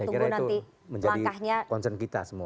kita tunggu nanti langkahnya